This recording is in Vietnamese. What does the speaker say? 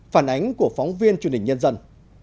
phản ánh của phóng viên truyền hình nhân dân